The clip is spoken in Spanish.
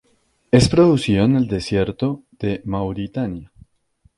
Es producido en el desierto de Mauritania.